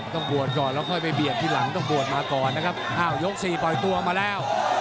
ต้องบวชก่อนแล้วค่อยไปเบียดทีหลังต้องบวชมาก่อนนะครับอ้าวยกสี่ปล่อยตัวมาแล้ว